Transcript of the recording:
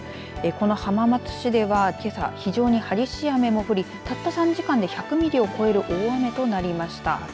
この浜松市ではけさ、非常に激しい雨も降りたった３時間で１００ミリを超える大雨となりました。